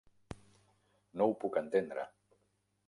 No ho puc entendre